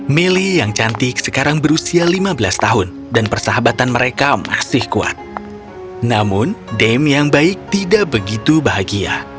melly yang cantik sekarang berusia lima belas tahun dan persahabatan mereka masih kuat namun dame yang baik tidak begitu bahagia